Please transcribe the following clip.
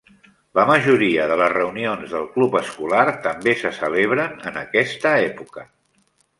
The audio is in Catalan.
La majoria de les reunions del club escolar també se celebren en aquesta època.